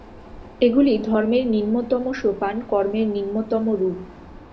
এগুলি ধর্মের নিম্নতম সোপান, কর্মের নিম্নতম রূপ।